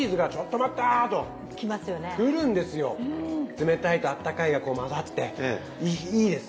冷たいとあったかいがこう混ざっていいです